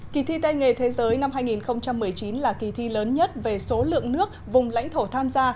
kỳ thi tay nghề thế giới năm hai nghìn một mươi chín là kỳ thi lớn nhất về số lượng nước vùng lãnh thổ tham gia